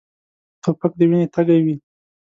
توپک د وینې تږی وي.